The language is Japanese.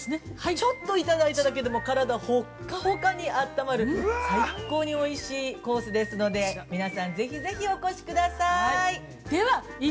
ちょっといただいただけでも、体ほっかほかにあったまる、あったまる、最高においしいコースですので、皆さんぜひぜひ、お越しください。